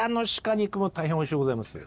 肉も大変おいしゅうございますよ。